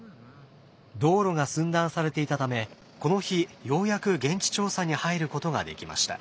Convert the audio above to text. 道路が寸断されていたためこの日ようやく現地調査に入ることができました。